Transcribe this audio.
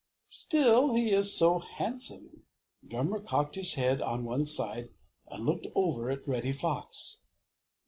Still, he is so handsome!" Drummer cocked his head on one side and looked over at Reddy Fox.